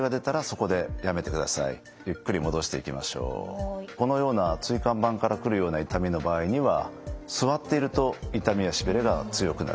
このような椎間板から来るような痛みの場合には座っていると痛みやしびれが強くなる。